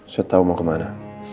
saya tau mau kemana